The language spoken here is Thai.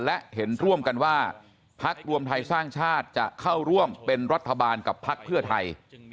และเห็นร่วมกันว่าพักรวมไทยสร้างชาติจะเข้าร่วมเป็นรัฐบาลกับพักเพื่อไทย